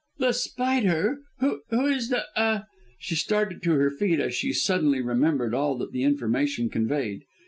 "The Spider? Who is The ah!" She started to her feet as she suddenly remembered all that the information conveyed.